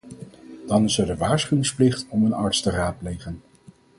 Dan is er de waarschuwingsplicht om een arts te raadplegen.